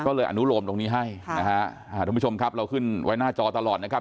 ก็เลยอนุโลมตรงนี้ให้ค่ะนะฮะทุกผู้ชมครับเราขึ้นไว้หน้าจอตลอดนะครับ